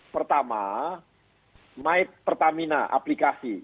pertama my pertamina aplikasi